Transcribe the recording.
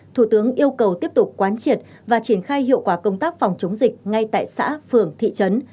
thủ tướng yêu cầu tiếp tục quán triệt và triển khai hiệu quả công tác phòng chống dịch ngay tại xã phường thị trấn